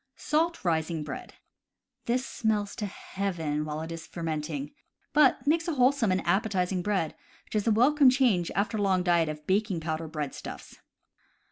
Salt rising Bread. — This smells to heaven while it is fermenting, but makes wholesome and appetizing bread, which is a welcome change after a long diet of baking powder breadstuffs.